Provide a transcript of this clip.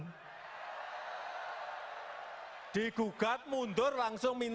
kalau pemimpinnya tidak berani pasti mundur minta ampun